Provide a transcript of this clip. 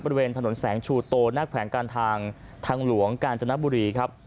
บริเวณถนนแสงชูโตหน้าแขวงการทางทางหลวงกาญจนบุรีครับ